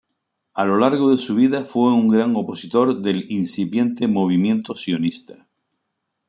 A lo largo de su vida fue un gran opositor del incipiente movimiento sionista.